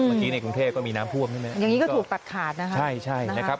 ในกรุงเทพก็มีน้ำท่วมใช่ไหมอย่างนี้ก็ถูกตัดขาดนะคะใช่ใช่นะครับ